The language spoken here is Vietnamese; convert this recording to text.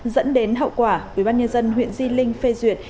dẫn đến hậu quả ubnd huyện di linh phê duyệt